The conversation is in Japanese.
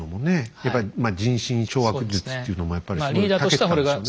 やっぱり人心掌握術っていうのもやっぱりすごいたけてたんでしょうね。